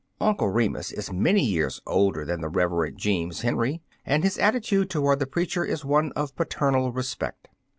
Uncle Remus is many years older than the Reverend Jeems Henry and his attitude toward the preacher is one of patemal respect.